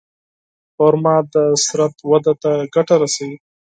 خرما د بدن وده ته ګټه رسوي.